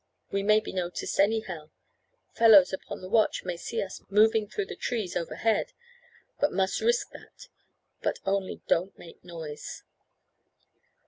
We may be noticed anyhow. Fellows upon the watch may see us moving through the trees overhead, but must risk that; but only don't make noise."